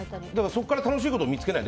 そこから楽しいことを見つけない。